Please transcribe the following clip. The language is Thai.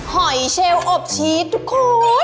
หอยเชลอบชีสทุกคน